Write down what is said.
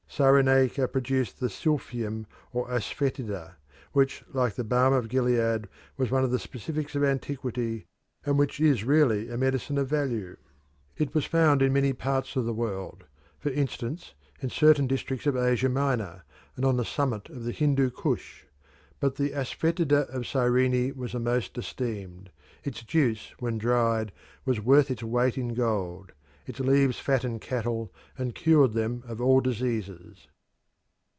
Cyrenaica produced the silphium, or asafoetida, which, like the balm of Gilead, was one of the specifics of antiquity, and which is really a medicine of value. It was found in many parts of the world for instance, in certain districts of Asia Minor, and on the summit of the Hindu Kush. But the asafoetida of Cyrene was the most esteemed. Its juice, when dried, was worth its weight in gold; its leaves fattened cattle and cured them of all diseases.